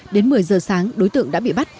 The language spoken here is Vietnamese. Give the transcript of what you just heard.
đến một mươi giờ sáng đối tượng đã bị bắt